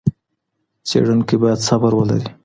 څېړونکی بايد صبر ولري.